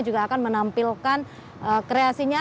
juga akan menampilkan kreasinya